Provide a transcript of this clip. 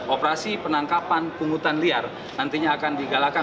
operasi penangkapan pemutusan liar nantinya akan digalakkan